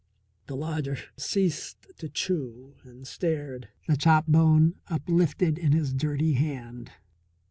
The lodger ceased to chew and stared, the chop bone uplifted in his dirty hand.